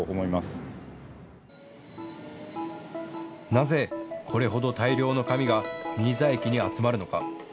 なぜ、これほど大量の紙が新座駅に集まるのか。